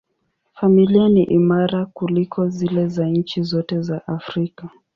Familia ni imara kuliko zile za nchi zote za Afrika.